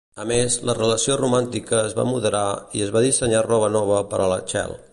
A més, la relació romàntica es va moderar i es va dissenyar roba nova per a la Chel.